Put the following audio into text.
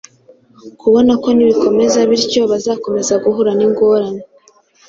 kubona ko nibikomeza bityo bazakomeza guhura n’ingorane.